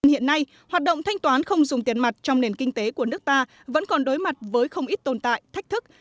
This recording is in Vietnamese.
hiện nay hoạt động thanh toán không dùng tiền mặt trong nền kinh tế của nước ta vẫn còn đối mặt với không ít tồn tại thách thức